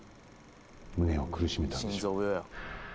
胸を苦しめたんでしょう